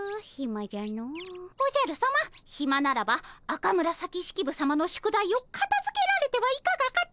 おじゃるさまひまならば赤紫式部さまの宿題をかたづけられてはいかがかと。